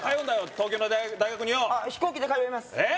東京の大学によ飛行機で通いますえっ？